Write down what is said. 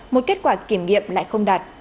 một kết quả kiểm nghiệm lại không đạt